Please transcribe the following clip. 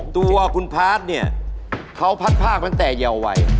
ตัวคุณพาร์ทเนี่ยเขาพัดภาคตั้งแต่เยาวัย